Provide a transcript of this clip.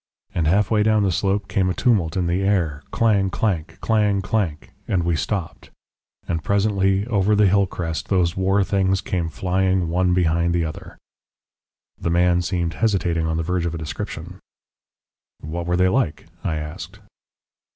And halfway down the slope came a tumult in the air, clang clank, clang clank, and we stopped, and presently over the hill crest those war things came flying one behind the other." The man seemed hesitating on the verge of a description. "What were they like?" I asked.